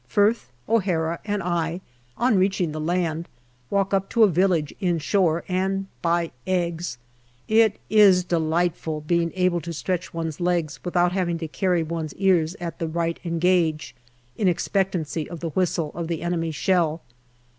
Firth, O'Hara, and I, on reaching the land, walk up to a village inshore and buy eggs. It is delightful being able to stretch one's legs with out having to carry one's ears at the " right engage " in expectancy of the whistle of the enemy shell.